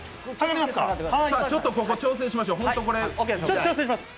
ちょっとここ調整しましょう。